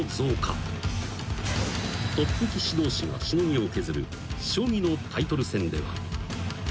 ［トップ棋士同士がしのぎを削る将棋のタイトル戦では］